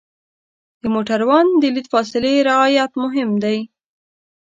د موټروان د لید فاصلې رعایت مهم دی.